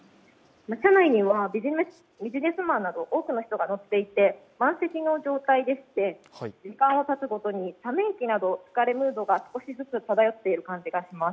車内にはビジネスマンなど多くの人が乗っていて満席の状態でして、時間がたつごとにため息など疲れムードが少しずつ漂っている感じがします。